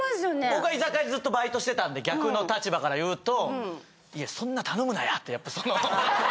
僕は居酒屋でずっとバイトしてたんで逆の立場から言うと。